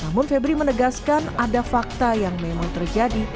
namun febri menegaskan ada fakta yang memang terjadi